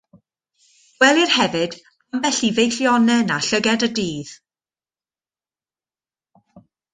Gwelir hefyd ambell i feillionen a llygad y dydd.